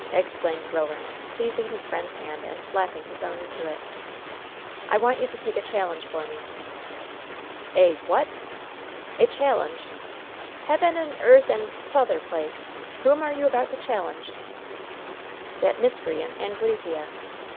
exclaimed Roland, seizing his friend's hand and slapping his own into it. "I want you to take a challenge for me." "A what?" "A challenge!" "Heaven, earth and t'other place! Whom are you about to challenge?" "That miscreant Anglesea."